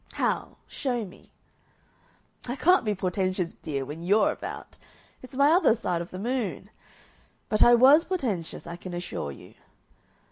"How? Show me." "I can't be portentous, dear, when you're about. It's my other side of the moon. But I was portentous, I can assure you.